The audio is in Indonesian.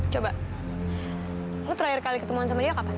coba lo terakhir kali ketemuan sama dia kapan